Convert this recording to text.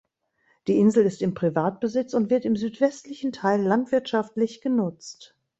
Die Insel ist im Privatbesitz und wird im südwestlichen Teil landwirtschaftlich genutzt.